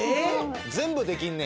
全部できんねや。